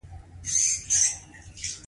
دوی به د عوامو په ګټه جنګېدل.